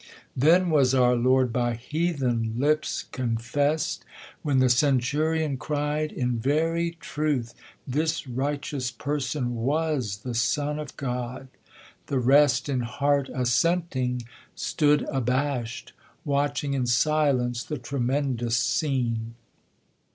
Then was our Lord by heathen lips confess'd, When.. i I :S THE COLUMBIAN ORATOR. When the centurion cry'd, In very truth This righteous Person was the Son of God ; The rest, in heart assenting, stood abash'd, .| Watching in silence the tremendous scene.